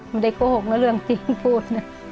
ไม่ได้โกหกนะเรื่องจริงพูดนะ